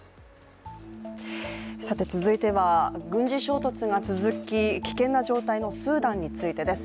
続いては軍事衝突が続き危険な状態のスーダンについてです。